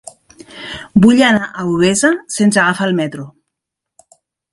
Vull anar a Albesa sense agafar el metro.